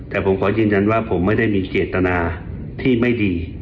แต่ผมขอยืนยันว่าผมไม่ได้มีเจตนาที่ไม่ดี